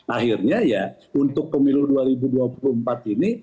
akhirnya ya untuk pemilu dua ribu dua puluh empat ini